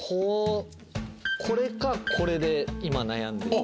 これかこれで今悩んでて。